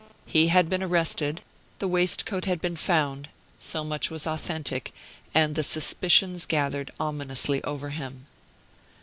He had been arrested; the waistcoat had been found: so much was authentic; and the suspicions gathered ominously over him.